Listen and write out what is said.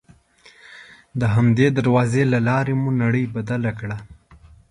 د همدې دروازې له لارې مو نړۍ بدله کړه.